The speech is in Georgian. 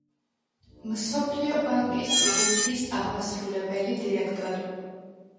მსოფლიო ბანკის ჯგუფის აღმასრულებელი დირექტორი.